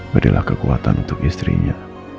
berilah kekuatan untuk istrinya